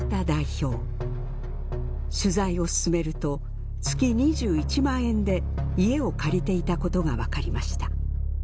取材を進めると月２１万円で家を借りていたことがわかりました。